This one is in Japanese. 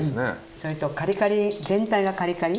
それとカリカリ全体がカリカリ。